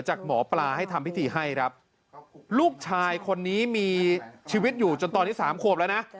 จากหมอปลาให้ทำพิธีให้ครับลูกชายคนนี้มีชีวิตอยู่จนตอนนี้สามขวบแล้วนะ